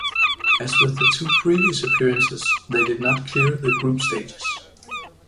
As with the two previous appearances, they did not clear the group stages.